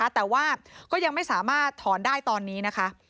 แต่ว่าก็ยังไม่สามารถถอนได้ตอนนี้นะคะ